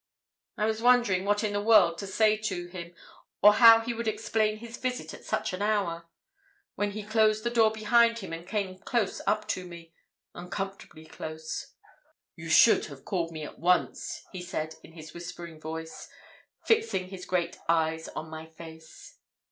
"I was wondering what in the world to say to him, or how he would explain his visit at such an hour, when he closed the door behind him and came close up to me—uncomfortably close. "'You should have called me at once,' he said in his whispering voice, fixing his great eyes on my face.